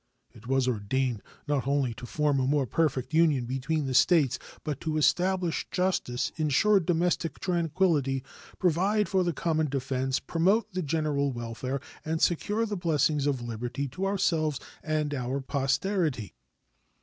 It was ordained not only to form a more perfect union between the States, but to "establish justice, insure domestic tranquillity, provide for the common defense, promote the general welfare, and secure the blessings of liberty to ourselves and our posterity."